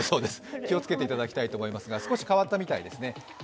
気を付けていただきたいと思いますが、少し変わったみたいですね。